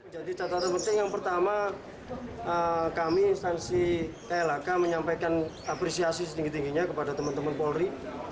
jadi catatan penting yang pertama kami instansi tlhk menyampaikan apresiasi setinggi tingginya kepada teman teman polri